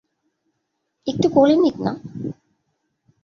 একটু কোলে নিক না?